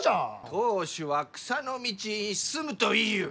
当主は草の道に進むと言いゆう！